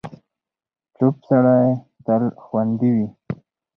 چوپ سړی، تل خوندي وي.